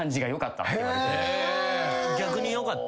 逆によかった。